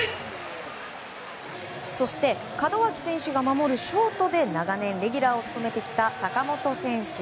そして門脇選手が守るショートで長年レギュラーを務めてきた坂本選手。